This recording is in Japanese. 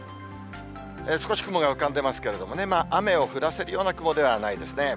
少し雲が浮かんでますけれどもね、雨を降らせるような雲ではないですね。